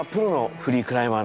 フリークライマー？